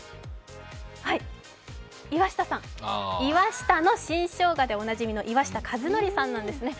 岩下さん、岩下の新生姜でおなじみの岩下和了さんなんですね。